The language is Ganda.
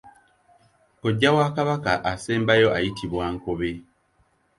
Kojja w’aKabaka asembayo ayitibwa Nkobe.